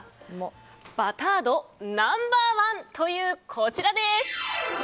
バター度、ナンバー１というこちらです。